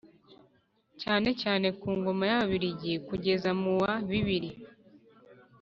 cyane cyane ku ngoma y'Ababiligi, kugeza mu wa bibiri.